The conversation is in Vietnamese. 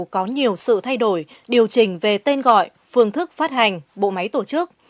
có nhiều sự thay đổi điều chỉnh về tên gọi phương thức phát hành bộ máy tổ chức